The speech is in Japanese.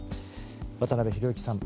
渡辺裕之さん。